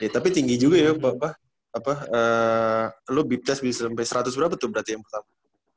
tapi tinggi juga ya apa lu blip test bisa sampai seratus berapa tuh berarti yang pertama